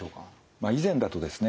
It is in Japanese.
まあ以前だとですね